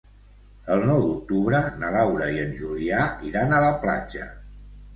El nou d'octubre na Laura i en Julià iran a la platja.